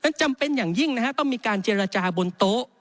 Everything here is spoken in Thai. เนี่ยจำเป็นอย่างยิ่งต้องมีการเจรจาบนโต๊ะ